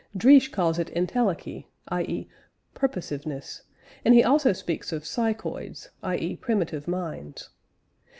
Driesch calls it entelechy, i.e. "purposiveness," and he also speaks of psychoids, i.e. "primitive minds."